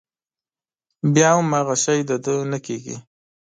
بيا هم هغه شی د ده نه کېږي.